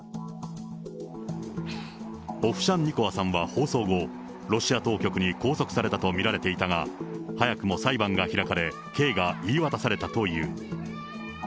オフシャンニコワさんは放送後、ロシア当局に拘束されたと見られていたが、早くも裁判が開かれ、刑が言い渡されたという。